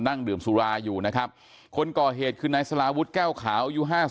นั่งดื่มสุราอยู่นะครับคนก่อเหตุคือนายสลาวุฒิแก้วขาวอายุ๕๐